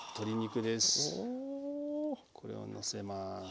これをのせます。